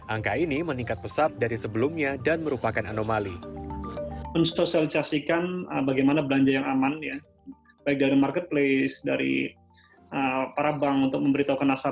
angka ini meningkat pesat dari sebelumnya dan merupakan anomali